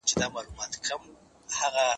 زه به ږغ اورېدلی وي؟